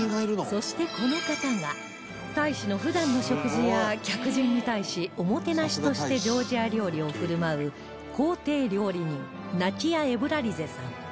そしてこの方が大使の普段の食事や客人に対しおもてなしとしてジョージア料理を振る舞う公邸料理人ナティア・エブラリゼさん